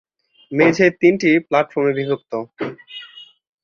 মেঝে তিনটি প্লাটফর্মে বিভক্ত।